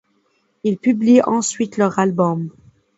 Ils publient ensuite leur album, '.